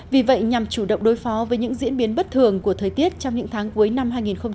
vì vậy nhằm chủ động đối phó với những diễn biến bất thường của thời tiết trong những tháng cuối năm hai nghìn hai mươi